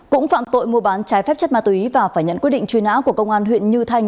cũng phạm tội mua bán trái phép chất ma túy và phải nhận quyết định truy nã của công an huyện như thanh